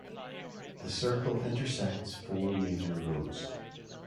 The circle intersects four major roads.